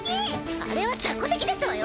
あれはザコ敵ですわよ。